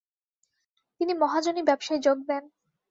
তিনি মহাজনি ব্যবসায় যোগ দেন।